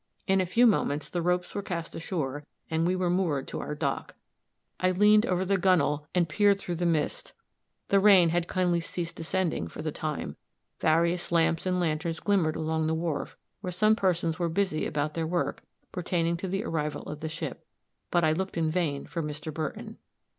In a few moments the ropes were cast ashore and we were moored to our dock. I leaned over the gunwale and peered through the mist; the rain had kindly ceased descending, for the time; various lamps and lanterns glimmered along the wharf, where some persons were busy about their work, pertaining to the arrival of the ship; but I looked in vain for Mr. Burton.